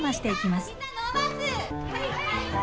はい！